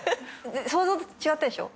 想像と違ったでしょ。